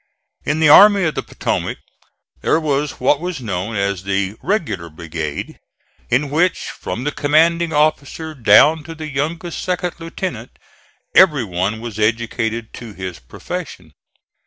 In the Army of the Potomac there was what was known as the "regular brigade," in which, from the commanding officer down to the youngest second lieutenant, every one was educated to his profession.